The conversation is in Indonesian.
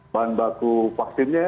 bahan baku vaksinnya